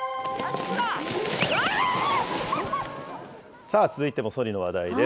さあ、続いてもそりの話題です。